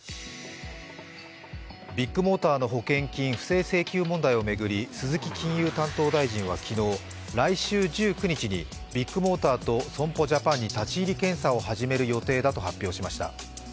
ビッグモーターの保険金不正請求事件を巡り鈴木金融担当大臣は昨日、来週１９日にビッグモーターと損保ジャパンに立ち入り検査を始める予定だと発表しました。